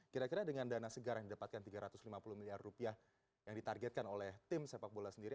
kira kira dengan dana segar yang didapatkan tiga ratus lima puluh miliar rupiah yang ditargetkan oleh tim sepak bola sendiri